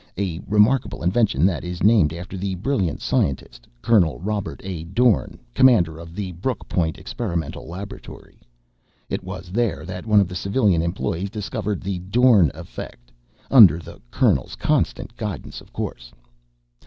A remarkable invention that is named after that brilliant scientist, Colonel Robert A. Dorn, Commander of the Brooke Point Experimental Laboratory. It was there that one of the civilian employees discovered the Dorn effect under the Colonel's constant guidance, of course.